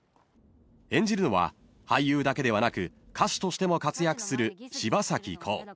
［演じるのは俳優だけではなく歌手としても活躍する柴咲コウ］